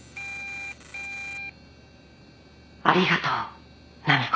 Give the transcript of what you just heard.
「ありがとう菜美子。